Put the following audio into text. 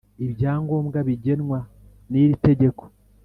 ibyangombwa bigenwa n’iri tegeko